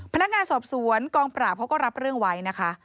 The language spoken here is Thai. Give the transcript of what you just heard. พนักงานสอบสวนกองปราบเขาก็รับเรื่องไว้นะคะ